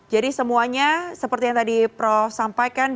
jadi semuanya seperti yang tadi prof sampaikan